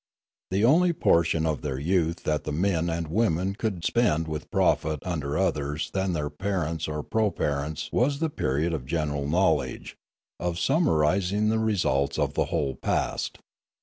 The only portion of their youth that the young men and women could spend with profit under others than their parents or proparents was the period of general knowledge, of summarising the results of the whole past.